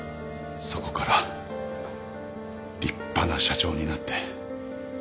そこから立派な社長になって。